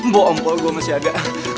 bawa empol gue masih ada